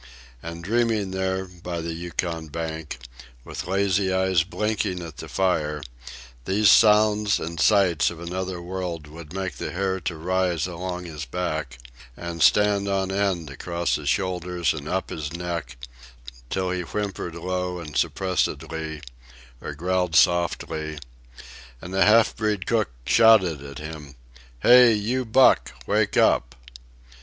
And dreaming there by the Yukon bank, with lazy eyes blinking at the fire, these sounds and sights of another world would make the hair to rise along his back and stand on end across his shoulders and up his neck, till he whimpered low and suppressedly, or growled softly, and the half breed cook shouted at him, "Hey, you Buck, wake up!"